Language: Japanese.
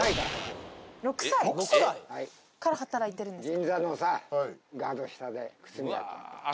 ６歳！？から働いてるんですか。